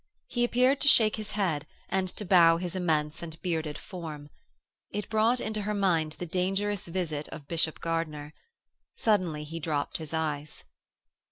He appeared to shake his head and to bow his immense and bearded form. It brought into her mind the dangerous visit of Bishop Gardiner. Suddenly he dropped his eyes.